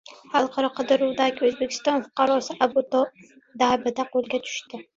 Xalqaro qidiruvdagi O‘zbekiston fuqarosi Abu-Dabida qo‘lga olindi